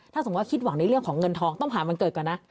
ถ้าสมมุติคิดหวังในเรื่องของเงินทองต้องหาวันเกิดก่อนนะ